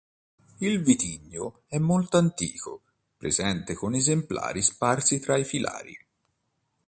Il vitigno è molto antico; presente con esemplari sparsi tra i filari.